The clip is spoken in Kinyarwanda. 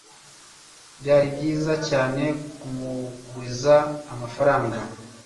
byari byiza cyane kumuguriza amafaranga